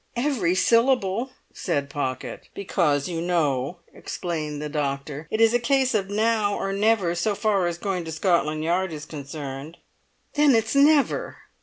"Every syllable!" said Pocket. "Because, you know," explained the doctor, "it is a case of now or never so far as going to Scotland Yard is concerned." "Then it's never!"